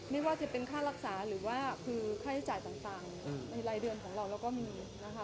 ไม่ว่าจะเป็นค่ารักษาหรือว่าคือค่าใช้จ่ายต่างในรายเดือนของเราเราก็มีนะคะ